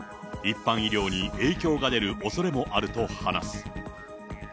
一般医療に影響が出るおそれもあると話す。